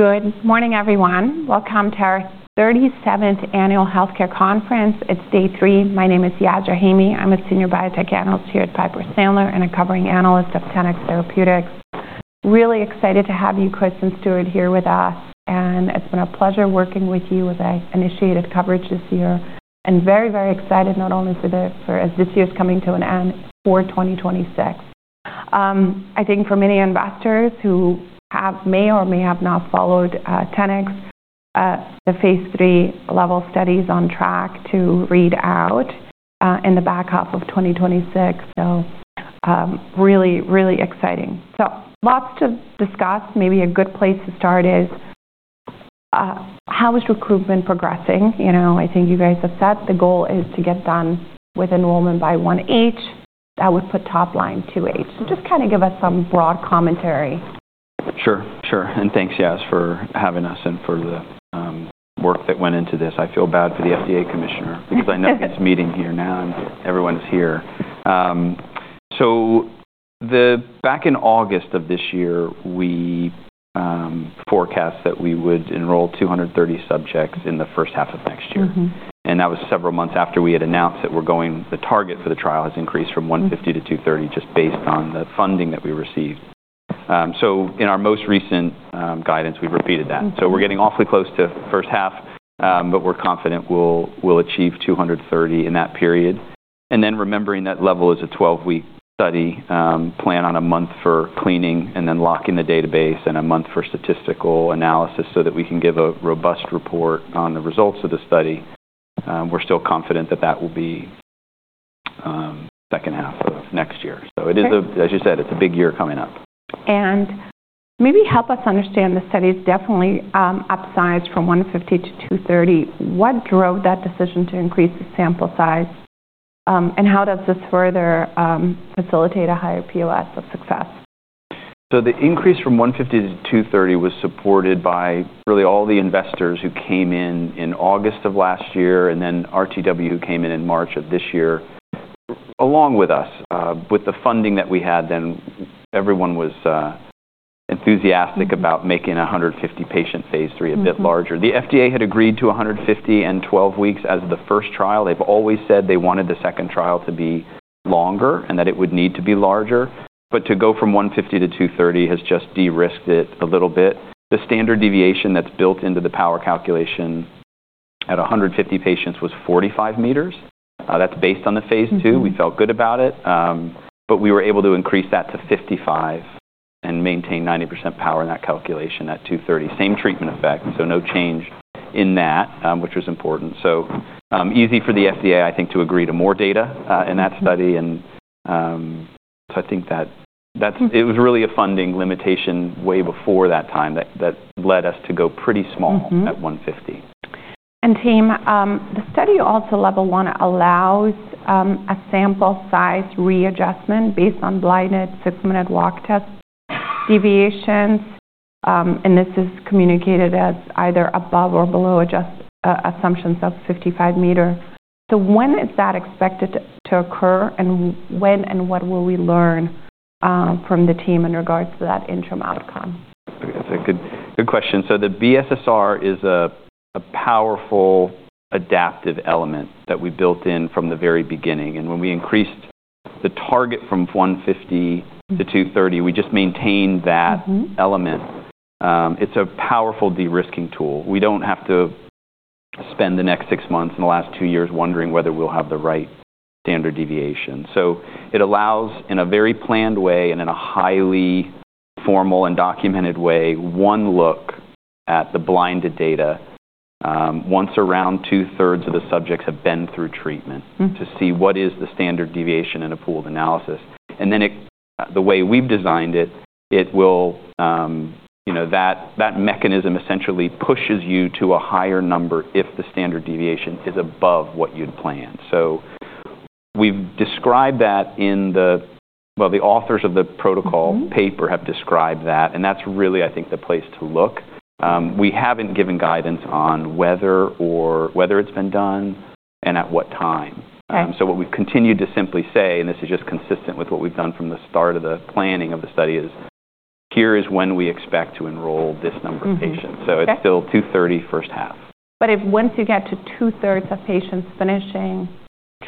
Good morning, everyone. Welcome to our 37th Annual Healthcare Conference. It's day three. My name is Yasmeen Rahimi. I'm a Senior Biotech Analyst here at Piper Sandler, and a covering analyst at Tenax Therapeutics. Really excited to have you, Chris and Stuart, here with us, and it's been a pleasure working with you as I initiated coverage this year, and very, very excited, not only for this year coming to an end, for 2026. I think for many investors who may or may have not followed Tenax, the phase III LEVEL studies on track to read out in the back half of 2026. So really, really exciting. So lots to discuss. Maybe a good place to start is, how is recruitment progressing? I think you guys have said the goal is to get done with enrollment by 1H. That would put top line 2H. So just kind of give us some broad commentary. Sure, sure. And thanks, Yas, for having us and for the work that went into this. I feel bad for the FDA Commissioner because I know he's meeting here now, and everyone's here. So back in August of this year, we forecast that we would enroll 230 subjects in the first half of next year. And that was several months after we had announced that the target for the trial has increased from 150 to 230, just based on the funding that we received. So in our most recent guidance, we've repeated that. So we're getting awfully close to first half, but we're confident we'll achieve 230 in that period. Then remembering that LEVEL is a 12-week study, plan on a month for cleaning and then locking the database, and a month for statistical analysis so that we can give a robust report on the results of the study. We're still confident that that will be the second half of next year. It is a, as you said, it's a big year coming up. Maybe help us understand the study is definitely upsized from 150 to 230. What drove that decision to increase the sample size? And how does this further facilitate a higher POS of success? The increase from 150 to 230 was supported by really all the investors who came in in August of last year, and then RTW came in in March of this year, along with us. With the funding that we had, then everyone was enthusiastic about making 150 patient phase III a bit larger. The FDA had agreed to 150 and 12 weeks as the first trial. They've always said they wanted the second trial to be longer and that it would need to be larger. But to go from 150 to 230 has just de-risked it a little bit. The standard deviation that's built into the power calculation at 150 patients was 45 m. That's based on the phase II. We felt good about it. But we were able to increase that to 55 and maintain 90% power in that calculation at 230. Same treatment effect, so no change in that, which was important, so easy for the FDA, I think, to agree to more data in that study, and so I think that it was really a funding limitation way before that time that led us to go pretty small at 150. Team, the study also LEVEL 1 allows a sample size readjustment based on blinded six-minute walk test deviations. This is communicated as either above or below assumptions of 55 m. When is that expected to occur, and when and what will we learn from the team in regards to that interim outcome? That's a good question. So the BSSR is a powerful adaptive element that we built in from the very beginning. And when we increased the target from 150 to 230, we just maintained that element. It's a powerful de-risking tool. We don't have to spend the next six months and the last two years wondering whether we'll have the right standard deviation. So it allows, in a very planned way and in a highly formal and documented way, one look at the blinded data once around two-thirds of the subjects have been through treatment to see what is the standard deviation in a pooled analysis. Then the way we've designed it, that mechanism essentially pushes you to a higher number if the standard deviation is above what you'd planned. So we've described that in the, well, the authors of the protocol paper have described that. That's really, I think, the place to look. We haven't given guidance on whether it's been done and at what time. So what we've continued to simply say, and this is just consistent with what we've done from the start of the planning of the study, is here is when we expect to enroll this number of patients. So it's still 230 first half. But if once you get to two-thirds of patients finishing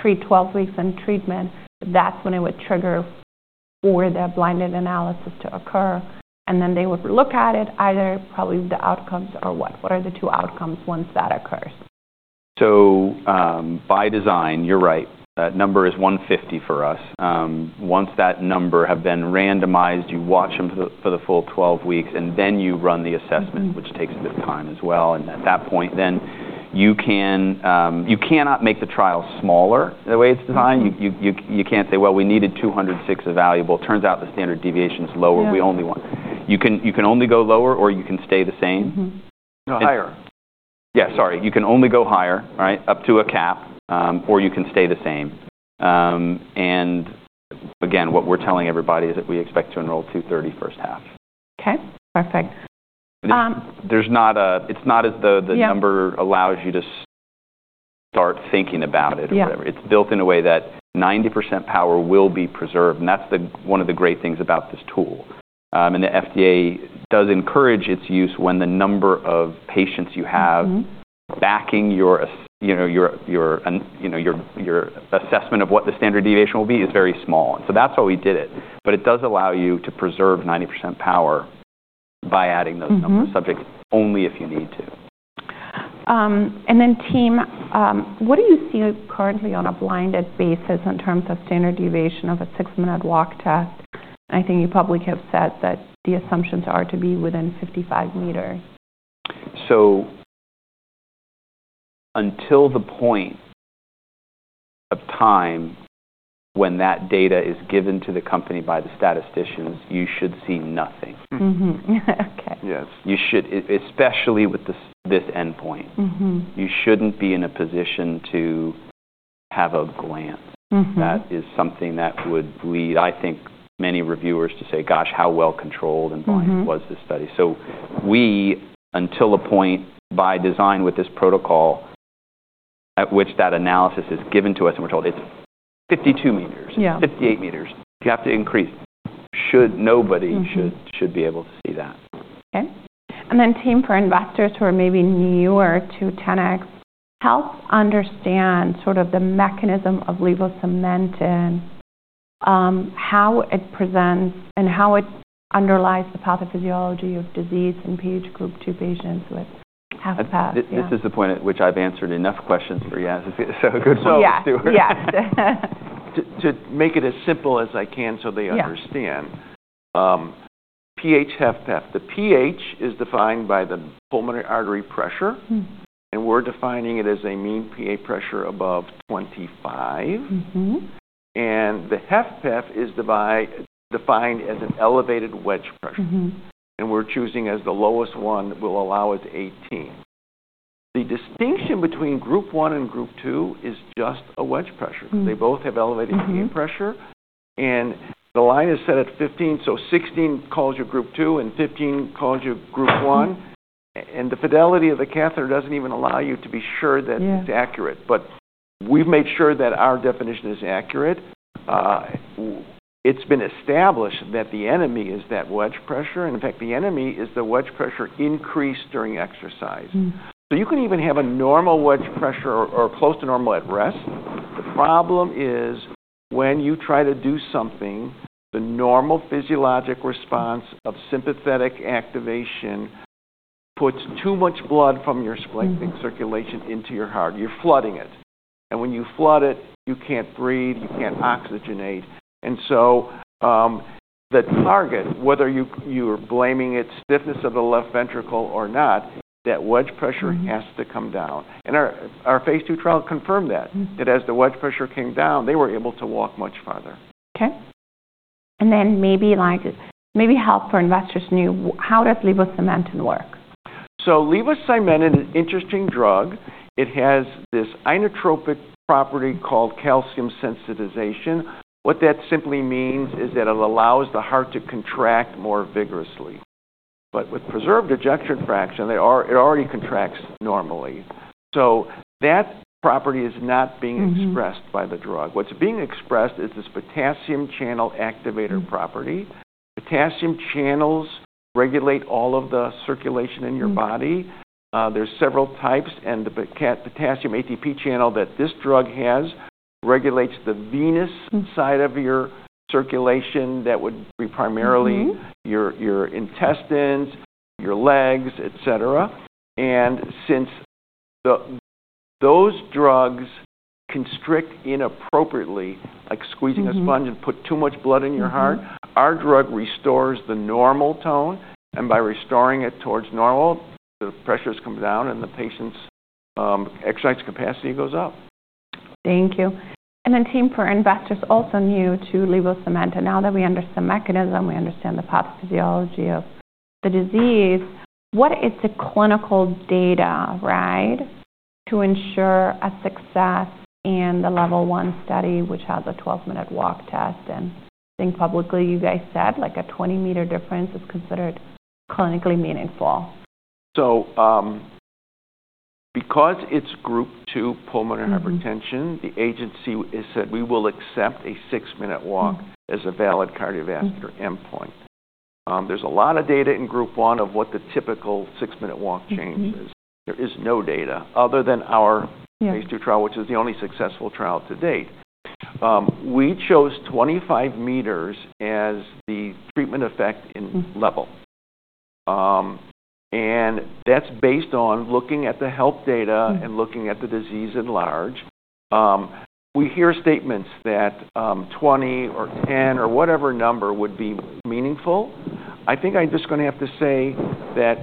12 weeks in treatment, that's when it would trigger for the blinded analysis to occur. Then they would look at it, either probably the outcomes or what? What are the two outcomes once that occurs? So by design, you're right. That number is 150 for us. Once that number has been randomized, you watch them for the full 12 weeks, and then you run the assessment, which takes a bit of time as well. At that point, then you cannot make the trial smaller the way it's designed. You can't say, "Well, we needed 206 available." Turns out the standard deviation is lower. We only want you can only go lower, or you can stay the same. Higher. Yeah, sorry. You can only go higher, right, up to a cap, or you can stay the same. Again, what we're telling everybody is that we expect to enroll 230 first half. Okay. Perfect. It's not as the number allows you to start thinking about it or whatever. It's built in a way that 90% power will be preserved. And that's one of the great things about this tool. And the FDA does encourage its use when the number of patients you have backing your assessment of what the standard deviation will be is very small. So that's how we did it. But it does allow you to preserve 90% power by adding those number of subjects only if you need to. Team, what do you see currently on a blinded basis in terms of standard deviation of a six-minute walk test? I think you probably have said that the assumptions are to be within 55 m. So until the point of time when that data is given to the company by the statisticians, you should see nothing. Okay. Yes. Especially with this endpoint. You shouldn't be in a position to have a glance. That is something that would lead, I think, many reviewers to say, "Gosh, how well controlled and blinded was this study?" So we, until a point by design with this protocol, at which that analysis is given to us and we're told it's 52 m, 58 m, you have to increase. Nobody should be able to see that. Okay. And then team, for investors who are maybe newer to Tenax, help understand sort of the mechanism of levosimendan, how it presents and how it underlies the pathophysiology of disease in PH Group 2 patients with HFpEF. This is the point at which I've answered enough questions for Yas, so good point, Stuart. So yes. To make it as simple as I can so they understand, PH HFpEF. The PH is defined by the pulmonary artery pressure, and we're defining it as a mean PH pressure above 25. And the HFpEF is defined as an elevated wedge pressure. We're choosing as the lowest one will allow us 18. And the distinction between Group 1 and Group 2 is just a wedge pressure. They both have elevated PH pressure. And the line is set at 15, so 16 calls you Group 2 and 15 calls you Group 1. And the fidelity of the catheter doesn't even allow you to be sure that it's accurate. But we've made sure that our definition is accurate. It's been established that the key is that wedge pressure. In fact, the key is the wedge pressure increased during exercise. You can even have a normal wedge pressure or close to normal at rest. The problem is when you try to do something, the normal physiologic response of sympathetic activation puts too much blood from your systemic circulation into your heart. You're flooding it. And when you flood it, you can't breathe, you can't oxygenate. So the target, whether you're blaming its stiffness of the left ventricle or not, that wedge pressure has to come down. And our phase II trial confirmed that. That as the wedge pressure came down, they were able to walk much farther. Okay. And then maybe help for investors new, how does levosimendan work? Levosimendan is an interesting drug. It has this inotropic property called calcium sensitization. What that simply means is that it allows the heart to contract more vigorously. But with preserved ejection fraction, it already contracts normally. So that property is not being expressed by the drug. What's being expressed is this potassium channel activator property. Potassium channels regulate all of the circulation in your body. There's several types. And the potassium ATP channel that this drug has regulates the venous side of your circulation that would be primarily your intestines, your legs, etc. And since those drugs constrict inappropriately, like squeezing a sponge and put too much blood in your heart, our drug restores the normal tone. By restoring it towards normal, the pressures come down and the patient's exercise capacity goes up. Thank you. Then team, for investors also new to levosimendan, now that we understand the mechanism, we understand the pathophysiology of the disease, what is the clinical data, right, to ensure a success in the LEVEL 1 study, which has a six-minute walk test? I think publicly you guys said like a 20 m difference is considered clinically meaningful. Because it's Group 2 Pulmonary Hypertension, the agency said we will accept a six-minute walk as a valid cardiovascular endpoint. There's a lot of data in Group 1 of what the typical six-minute walk change is. There is no data other than our phase II trial, which is the only successful trial to date. We chose 25 m as the treatment effect in LEVEL, and that's based on looking at the HELP data and looking at the disease at large. We hear statements that 20 or 10 or whatever number would be meaningful. I think I'm just going to have to say that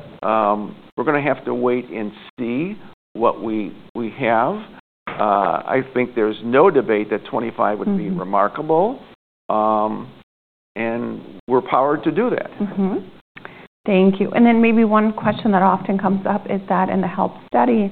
we're going to have to wait and see what we have. I think there's no debate that 25 would be remarkable, and we're powered to do that. Thank you. Then maybe one question that often comes up is that in the HELP study,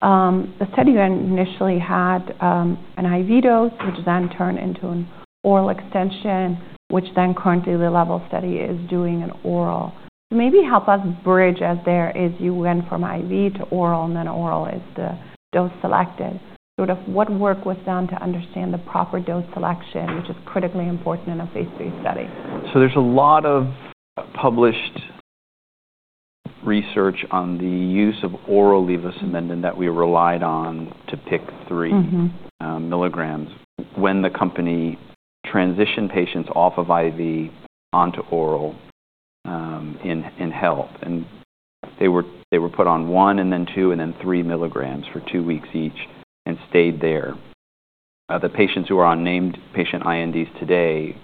the study initially had an IV dose, which then turned into an oral extension, which then currently the LEVEL study is doing an oral. So maybe help us bridge as there is you went from IV to oral and then oral is the dose selected. Sort of what work was done to understand the proper dose selection, which is critically important in a phase III study? There's a lot of published research on the use of oral levosimendan that we relied on to pick 3 mg when the company transitioned patients off of IV onto oral in HELP. They were put on one and then 2 and then 3 mg for two weeks each and stayed there. The patients who are on Named Patient INDs today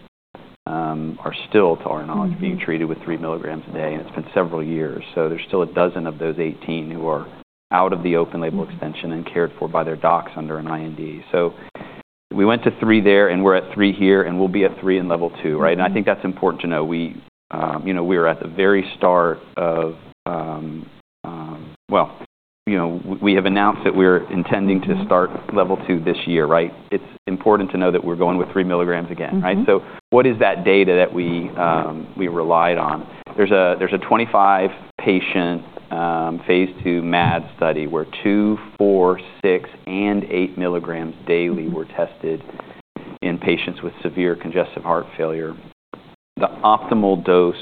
are still, to our knowledge, being treated with 3 mg a day. It's been several years. There's still a dozen of those 18 who are out of the open-label extension and cared for by their docs under an IND. We went to three there and we're at three here and we'll be at three in LEVEL 2, right? I think that's important to know. We are at the very start of, well, we have announced that we're intending to start LEVEL 2 this year, right? It's important to know that we're going with 3 mg again, right? So what is that data that we relied on? There's a 25-patient phase II MAD study where 2, 4, 6, and 8 mg daily were tested in patients with severe congestive heart failure. The optimal dose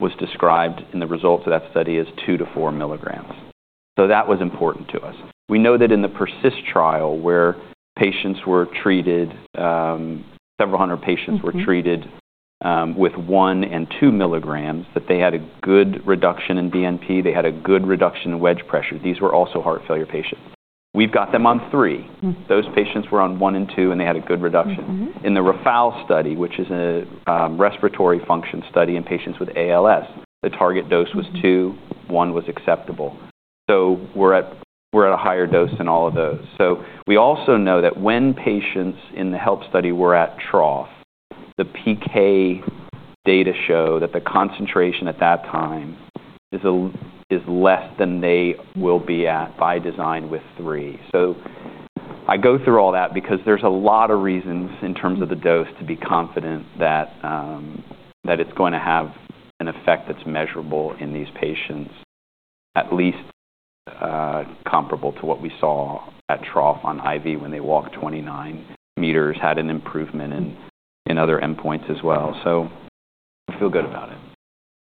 was described in the results of that study as 3 to 4 mg. So that was important to us. We know that in the PERSIST trial where patients were treated, several hundred patients were treated with 1 and 2 mg, that they had a good reduction in BNP, they had a good reduction in wedge pressure. These were also heart failure patients. We've got them on three. Those patients were on one and two and they had a good reduction. In the REFALS study, which is a respiratory function study in patients with ALS, the target dose was 2, 1 was acceptable. So we're at a higher dose in all of those. So we also know that when patients in the HELP study were at trough, the PK data show that the concentration at that time is less than they will be at by design with 3. So I go through all that because there's a lot of reasons in terms of the dose to be confident that it's going to have an effect that's measurable in these patients, at least comparable to what we saw at trough on IV when they walked 29 m, had an improvement in other endpoints as well. So I feel good about it.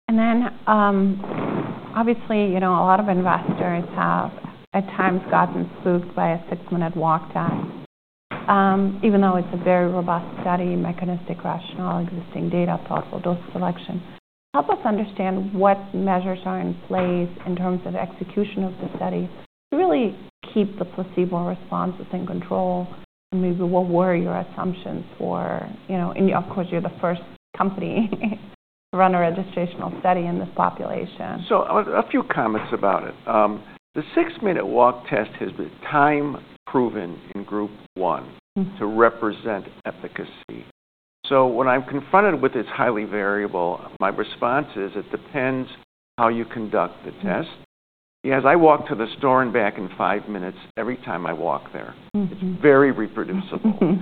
Then obviously a lot of investors have at times gotten spooked by a six-minute walk test, even though it's a very robust study, mechanistic rationale, existing data, thoughtful dose selection. Help us understand what measures are in place in terms of execution of the study to really keep the placebo responses in control and maybe what were your assumptions for, and of course you're the first company to run a registrational study in this population. A few comments about it. The Six-Minute Walk Test has been time-proven in Group 1 to represent efficacy. When I'm confronted with it's highly variable, my response is it depends how you conduct the test. Yes, I walk to the store and back in five minutes every time I walk there. It's very reproducible.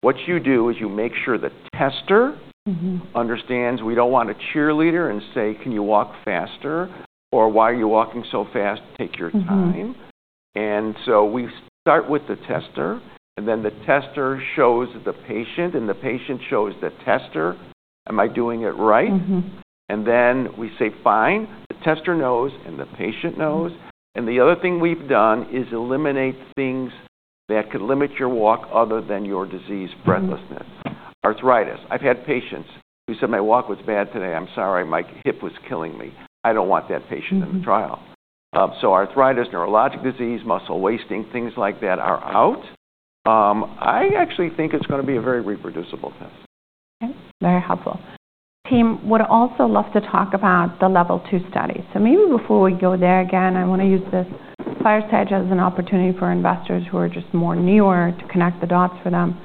What you do is you make sure the tester understands we don't want a cheerleader and say, "Can you walk faster?" or "Why are you walking so fast? Take your time." We start with the tester, and then the tester shows the patient, and the patient shows the tester, "Am I doing it right?" And then we say, "Fine." The tester knows, and the patient knows. And the other thing we've done is eliminate things that could limit your walk other than your disease breathlessness, arthritis. I've had patients who said, "My walk was bad today. I'm sorry. My hip was killing me." I don't want that patient in the trial. So arthritis, neurologic disease, muscle wasting, things like that are out. I actually think it's going to be a very reproducible test. Okay. Very helpful. Team, we'd also love to talk about the LEVEL 2 study. So maybe before we go there again, I want to use this fireside as an opportunity for investors who are just more newer to connect the dots for them.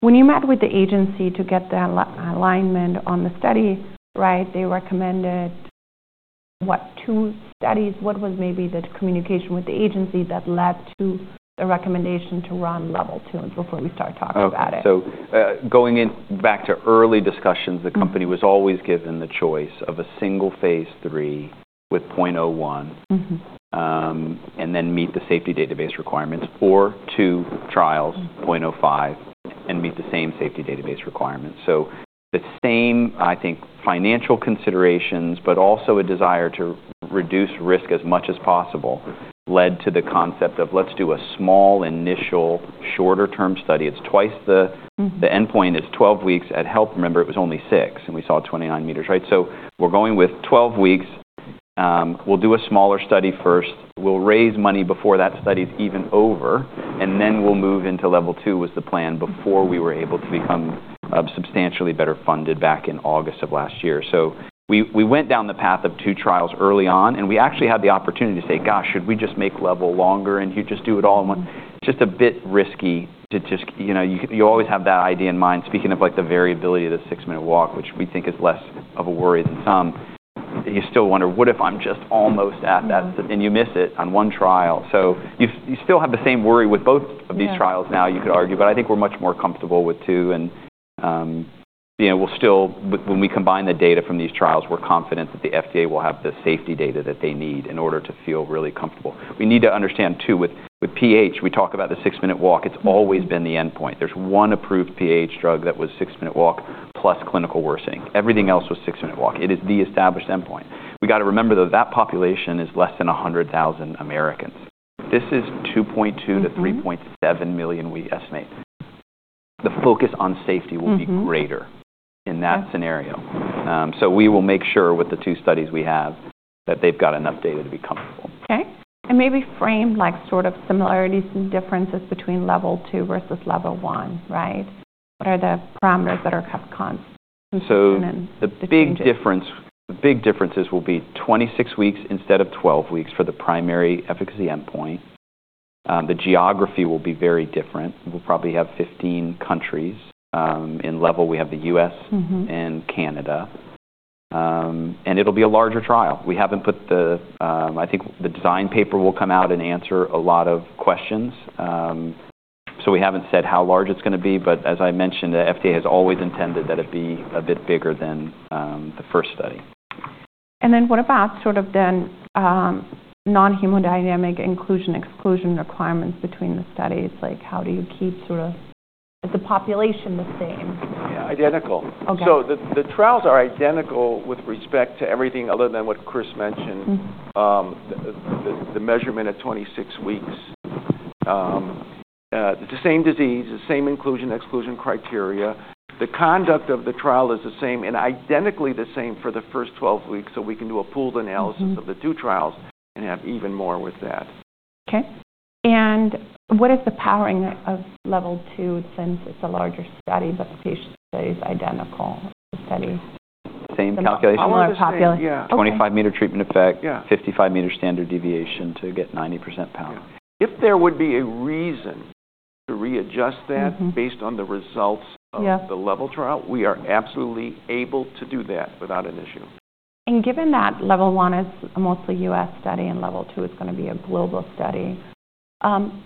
When you met with the agency to get the alignment on the study, right, they recommended what two studies? What was maybe the communication with the agency that led to the recommendation to run LEVEL 2 before we start talking about it? So, going back to early discussions, the company was always given the choice of a single Phase III with 0.01 and then meet the safety database requirements or two trials, 0.05, and meet the same safety database requirements. So the same, I think, financial considerations, but also a desire to reduce risk as much as possible led to the concept of, "Let's do a small initial shorter-term study." It's twice the endpoint is 12 weeks at HELP. Remember, it was only 6, and we saw 29 m, right? So we're going with 12 weeks. We'll do a smaller study first. We'll raise money before that study's even over, and then we'll move into LEVEL 2 was the plan before we were able to become substantially better funded back in August of last year. So we went down the path of two trials early on, and we actually had the opportunity to say, "Gosh, should we just make LEVEL longer and just do it all in one?" It's just a bit risky too. You always have that idea in mind. Speaking of like the variability of the six-minute walk, which we think is less of a worry than some, you still wonder, "What if I'm just almost at that?" And you miss it on one trial. So you still have the same worry with both of these trials now, you could argue. But I think we're much more comfortable with two. And we'll still, when we combine the data from these trials, we're confident that the FDA will have the safety data that they need in order to feel really comfortable. We need to understand too, with PH, we talk about the six-minute walk. It's always been the endpoint. There's one approved PH drug that was six-minute walk plus clinical worsening. Everything else was six-minute walk. It is the established endpoint. We got to remember though that population is less than 100,000 Americans. This is 2.2-3.7 million, we estimate. The focus on safety will be greater in that scenario. So we will make sure with the two studies we have that they've got enough data to be comfortable. Okay, and maybe frame like sort of similarities and differences between LEVEL 2 versus LEVEL 1, right? What are the parameters that have cons and? So the big differences will be 26 weeks instead of 12 weeks for the primary efficacy endpoint. The geography will be very different. We'll probably have 15 countries. In LEVEL, we have the U.S. and Canada. And it'll be a larger trial. We haven't put out. I think the design paper will come out and answer a lot of questions. So we haven't said how large it's going to be. But as I mentioned, the FDA has always intended that it be a bit bigger than the first study. What about sort of the non-hemodynamic inclusion exclusion requirements between the studies? Like, how do you keep sort of the population the same? Yeah, identical. So the trials are identical with respect to everything other than what Chris mentioned, the measurement at 26 weeks. It's the same disease, the same inclusion exclusion criteria. The conduct of the trial is the same and identically the same for the first 12 weeks. So we can do a pooled analysis of the two trials and have even more with that. Okay. And what is the powering of LEVEL 2 since it's a larger study, but the patient study is identical? Same calculation. The same population? 25 m treatment effect, 55-meter standard deviation to get 90% power. If there would be a reason to readjust that based on the results of the LEVEL trial, we are absolutely able to do that without an issue. Given that LEVEL 1 is mostly US study and LEVEL 2 is going to be a global study,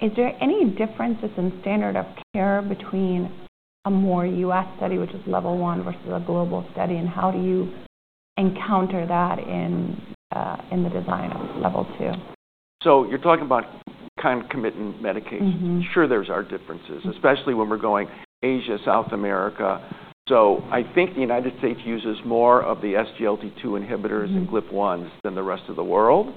is there any differences in standard of care between a more US study, which is LEVEL 1, versus a global study? How do you encounter that in the design of LEVEL 2? So you're talking about kind of committing medications. Sure, there are differences, especially when we're going Asia, South America. So I think the United States uses more of the SGLT2 inhibitors and GLP-1s than the rest of the world.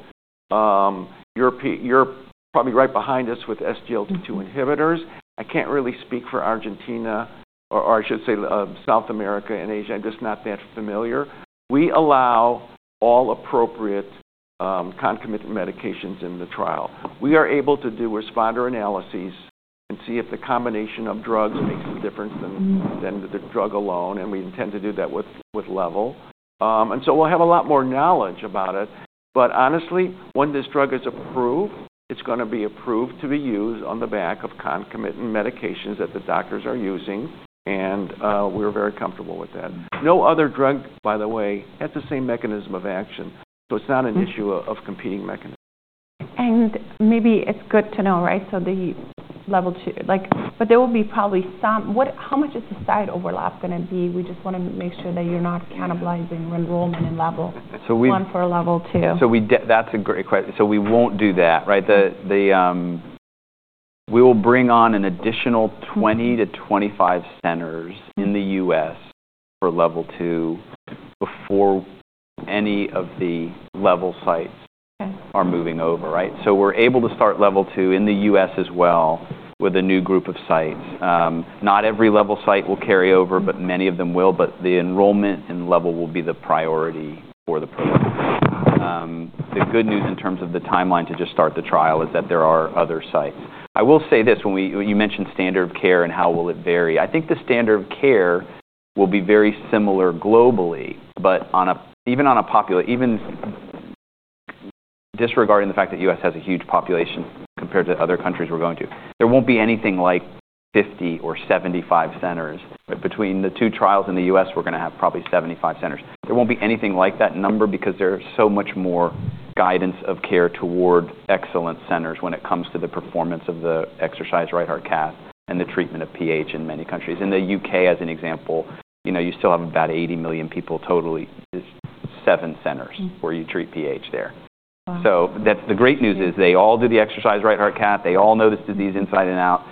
You're probably right behind us with SGLT2 inhibitors. I can't really speak for Argentina or I should say South America and Asia. I'm just not that familiar. We allow all appropriate concomitant medications in the trial. We are able to do responder analyses and see if the combination of drugs makes a difference than the drug alone. And we intend to do that with LEVEL. So we'll have a lot more knowledge about it. But honestly, when this drug is approved, it's going to be approved to be used on the back of concomitant medications that the doctors are using. And we're very comfortable with that. No other drug, by the way, has the same mechanism of action. So it's not an issue of competing mechanisms. And maybe it's good to know, right? So the LEVEL 2, but there will be probably some how much is the site overlap going to be? We just want to make sure that you're not cannibalizing enrollment in LEVEL 1 for LEVEL 2. That's a great question. We won't do that, right? We will bring on an additional 20-25 centers in the U.S. for LEVEL 2 before any of the LEVEL sites are moving over, right? We're able to start LEVEL 2 in the U.S. as well with a new Group of sites. Not every LEVEL site will carry over, but many of them will. But the enrollment in LEVEL will be the priority for the program. The good news in terms of the timeline to just start the trial is that there are other sites. I will say this: when you mentioned standard of care and how will it vary, I think the standard of care will be very similar globally. But even on a population, even disregarding the fact that the U.S. has a huge population compared to other countries we're going to, there won't be anything like 50 or 75 centers. But between the two trials in the U.S., we're going to have probably 75 centers. There won't be anything like that number because there's so much more guidance of care toward excellent centers when it comes to the performance of the exercise right heart cath and the treatment of PH in many countries. In the U.K., as an example, you still have about 80 million people total is seven centers where you treat PH there. So the great news is they all do the exercise right heart cath. They all know this disease inside and out.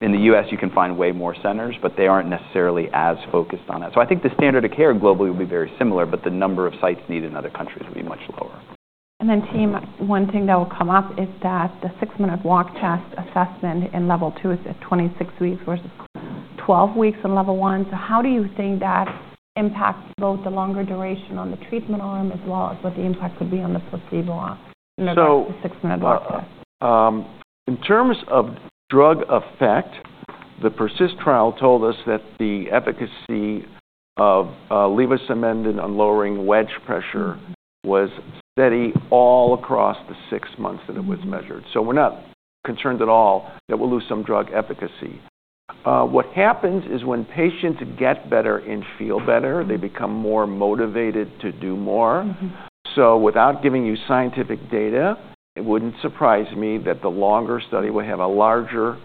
In the U.S., you can find way more centers, but they aren't necessarily as focused on that. So I think the standard of care globally will be very similar, but the number of sites needed in other countries will be much lower. Then, team, one thing that will come up is that the Six-Minute Walk Test assessment in LEVEL 2 is at 26 weeks versus 12 weeks in LEVEL 1. So how do you think that impacts both the longer duration on the treatment arm as well as what the impact would be on the placebo on the Six-Minute Walk Test? In terms of drug effect, the PERSIST trial told us that the efficacy of levosimendan on lowering wedge pressure was steady all across the six months that it was measured. So we're not concerned at all that we'll lose some drug efficacy. What happens is when patients get better and feel better, they become more motivated to do more. So without giving you scientific data, it wouldn't surprise me that the longer study will have a larger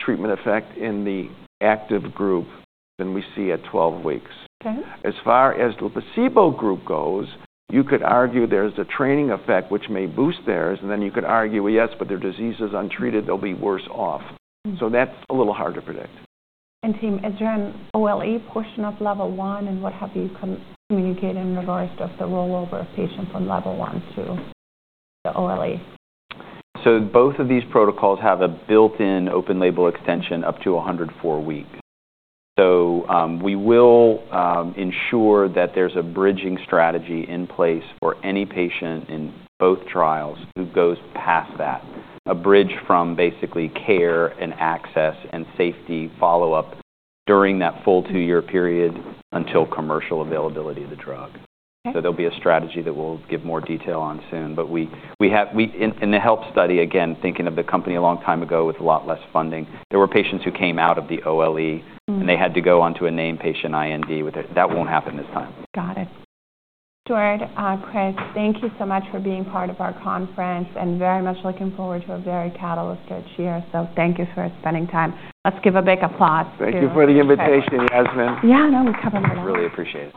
treatment effect in the active group than we see at 12 weeks. As far as the placebo group goes, you could argue there's a training effect, which may boost theirs. And then you could argue, "Well, yes, but their disease is untreated. They'll be worse off." So that's a little hard to predict. Team, is there an OLE portion of LEVEL 1? What have you communicated in regards to the rollover of patients on LEVEL 1 to the OLE? So both of these protocols have a built-in open-label extension up to 104 weeks. So we will ensure that there's a bridging strategy in place for any patient in both trials who goes past that, a bridge from basically care and access and safety follow-up during that full two-year period until commercial availability of the drug. So there'll be a strategy that we'll give more detail on soon. But in the HELP study, again, thinking of the company a long time ago with a lot less funding, there were patients who came out of the OLE, and they had to go on to a Named Patient IND with it. That won't happen this time. Got it. Stuart, Chris, thank you so much for being part of our conference and very much looking forward to a very catalyst-rich year. So thank you for spending time. Let's give a big applause for you. Thank you for the invitation, Yas. Yeah, no, we covered it all. I really appreciate it.